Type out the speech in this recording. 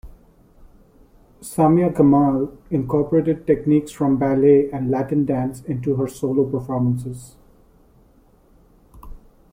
Samia Gamal incorporated techniques from ballet and Latin dance into her solo performances.